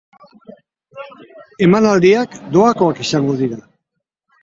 Emanaldiak doakoak izango dira.